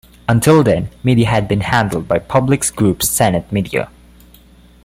Until then, media had been handled by Publics Groupe's Zenith Media.